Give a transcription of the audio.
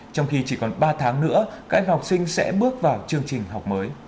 trong khi chỉ còn ba tháng nữa các em học sinh sẽ bước vào chương trình học mới